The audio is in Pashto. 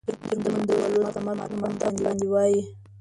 ترکمن د بلوڅ د مرګ پر ماتم باندې وایي.